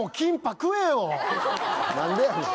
何でやねん。